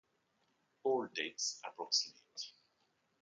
All dates approximate.